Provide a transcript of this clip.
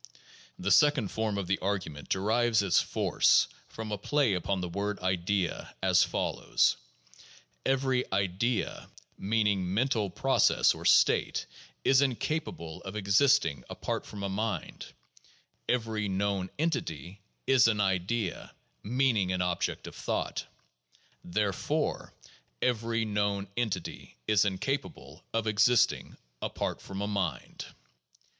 The second form of the arguments derives its force from a play upon the word idea, as follows: Every "idea" {meaning a mental process or state) is incapable of existing apart from a mind; every known entity is an "idea" (meaning an object of thought); therefore, every known entity is incapable of existing apart from a mind.